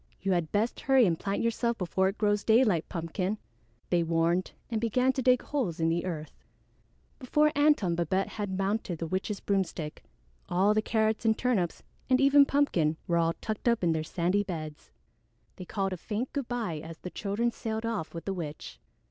"You had best hurry and plant yourself before it grows daylight, Pumpkin," they warned and began to dig holes in the earth. Before Antone and Babette had mounted the witch's broomstick, all the Carrots and Turnips and even Pumpkin were all tucked up in their sandy beds. They called a faint good by as the children sailed off with the witch.